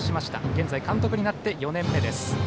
現在、監督になって４年目です。